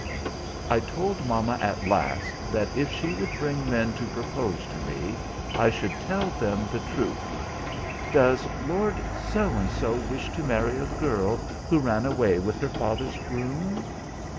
"I told mama at last that if she would bring men to propose to me I should tell them the truth. Does Lord So and so wish to marry a girl who ran away with her father's groom?